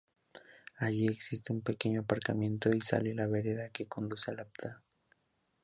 Allí existe un pequeño aparcamiento y sale la vereda que conduce al dolmen.